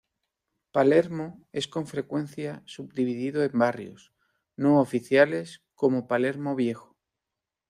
Palermo es con frecuencia subdividido en barrios no oficiales como Palermo Viejo.